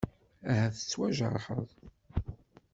Ahat tettwajerḥeḍ?